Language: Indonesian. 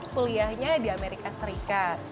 peliahnya di amerika serikat